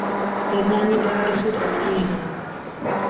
Jednání byla dosud obtížná.